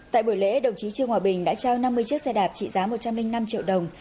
tại buổi lễ đồng chí trương hòa bình đã trao năm mươi chiếc xe đạp trị giá một trăm linh năm triệu đồng